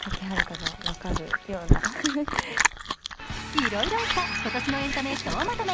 いろいろあった今年のエンタメ総まとめ。